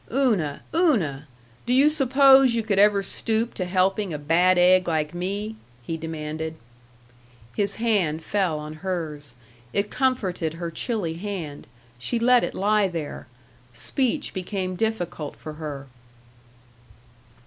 "Una, Una! Do you suppose you could ever stoop to helping a bad egg like me?" he demanded. His hand fell on hers. It comforted her chilly hand. She let it lie there. Speech became difficult for her.